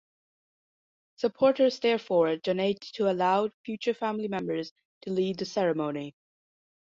Supporters therefore donate to allow future family members to lead the ceremony.